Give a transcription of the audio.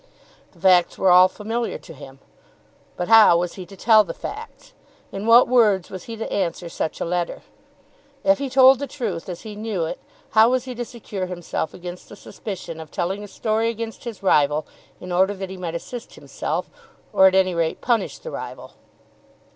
The facts were all familiar to him. But how was he to tell the facts? In what words was he to answer such a letter? If he told the truth as he knew it how was he to secure himself against the suspicion of telling a story against his rival in order that he might assist himself, or at any rate, punish the rival?